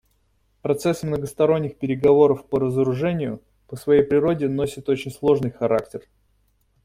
Процесс многосторонних переговоров по разоружению по своей природе носит очень сложный характер.